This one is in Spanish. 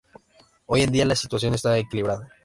Hoy en día la situación está equilibrada.